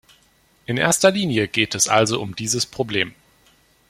In erster Linie geht es also um dieses Problem.